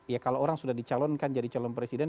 ya kalau orang sudah dicalon kan jadi calon presiden